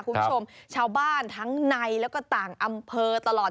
คุณผู้ชมชาวบ้านทั้งในแล้วก็ต่างอำเภอตลอด